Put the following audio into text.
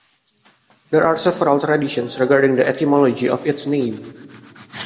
There are several traditions regarding the etymology of its name.